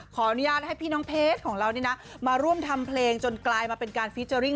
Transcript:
ขออนุญาตให้พี่น้องเพจของเรานี่นะมาร่วมทำเพลงจนกลายมาเป็นการฟีเจอร์ริ่ง